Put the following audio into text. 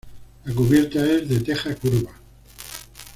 La cubierta es de teja curva.